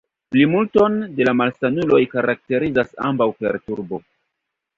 Plimulton de la malsanuloj karakterizas ambaŭ perturbo.